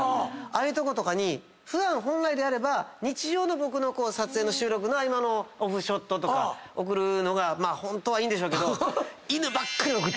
ああいうとことかに本来であれば日常の僕の撮影の収録の合間のオフショットとか送るのがホントはいいんでしょうけど。